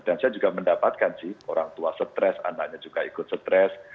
dan saya juga mendapatkan sih orang tua stres anaknya juga ikut stres